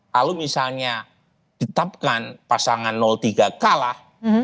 kalau misalnya ditetapkan pasangan tiga kalah